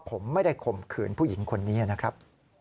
ผมไม่ได้ข่มขืนผู้หญิงคนนี้นะครับ